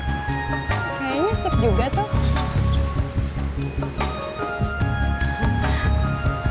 kayaknya suka juga tuh